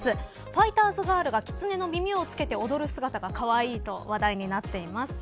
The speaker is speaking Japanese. ファイターズガールがきつねの耳をつけて踊る姿がかわいいと話題になっています。